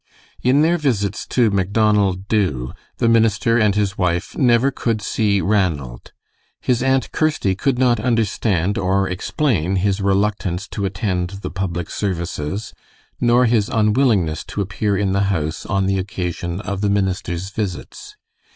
In their visits to Macdonald Dubh the minister and his wife never could see Ranald. His Aunt Kirsty could not understand or explain his reluctance to attend the public services, nor his unwillingness to appear in the house on the occasion of the minister's visits.